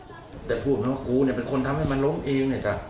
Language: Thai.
แต่พูดมาว่ากูเป็นคนทำให้มันล้มเอง